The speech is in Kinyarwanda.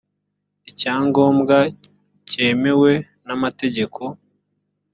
icyangombwa cyemewe n amategeko